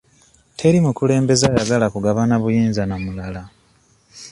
Teri mukulembeze ayagala kugabana buyinza na mulala.